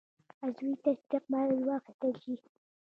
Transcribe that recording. عضوي تصدیق باید واخیستل شي.